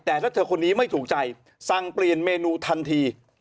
แต่ถ้าเธอคนนี้ไม่ถูกใจสั่งเปลี่ยนเมนูทันที